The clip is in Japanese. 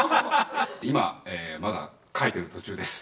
今、まだ書いてる途中です。